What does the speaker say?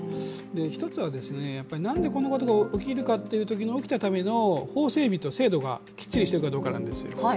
１つはなんでこんなことが起きるというときの起きたときの法整備と制度がきっちりしているかどうかなんですよね。